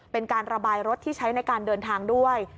เป็นการระบายรถที่ใช้ในการเดินทางด้วย